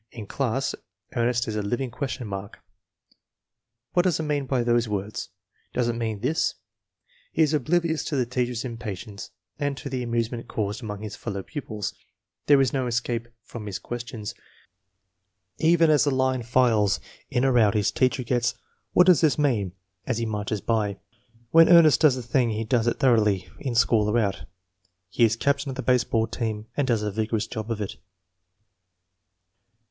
In class, Ernest is a living question mark. "What does it mean by those words?" "Does it mean this?" He is oblivious to the teacher's impatience and to the amusement caused among his fellow pupils. There is no escape from his questions. Even as the line files in or out his teacher gets a "What does this mean?" as he marches by. When Ernest does a thing he does it thor oughly, in school or out. He is captain of the baseball team and docs a vigorous job of it.